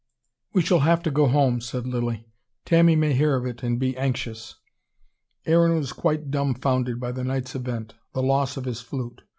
"We shall have to go home," said Lilly. "Tanny may hear of it and be anxious." Aaron was quite dumbfounded by the night's event: the loss of his flute.